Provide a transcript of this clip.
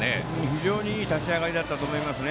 非常にいい立ち上がりだったと思います。